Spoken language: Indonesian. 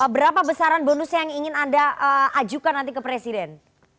berapa besaran bonusnya yang ingin anda ajukan nanti ke presiden